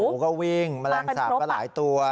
ก็วิ่งแมลงสาปก็หลายตัว